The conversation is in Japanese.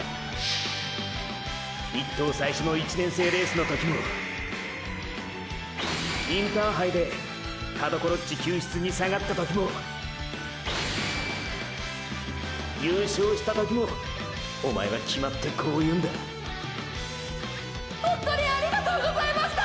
一等最初の１年生レースの時もインターハイで田所っち救出に下がった時も優勝した時もおまえは決まってこう言うんだホントにありがとうございました！！